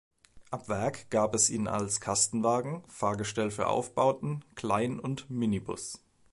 Ab Werk gab es ihn als Kastenwagen, Fahrgestell für Aufbauten, Klein- und Minibus.